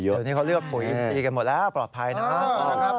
เดี๋ยวนี้เขาเลือกปุ๋ยอินซีกันหมดแล้วปลอดภัยนะครับ